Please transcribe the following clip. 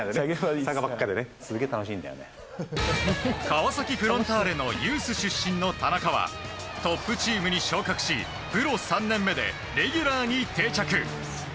川崎フロンターレのユース出身の田中はトップチームに昇格しプロ３年目でレギュラーに定着。